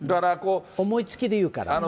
思いつきで言うから。